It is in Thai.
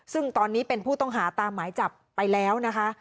ซึ่งตอนนี้เป็นผู้ต้องหาตามหมายจับไปแล้วนะคะ